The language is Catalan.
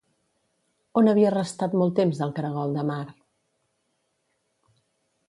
On havia restat molt temps el caragol de mar?